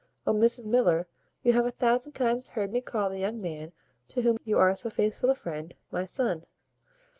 O! Mrs Miller, you have a thousand times heard me call the young man to whom you are so faithful a friend, my son.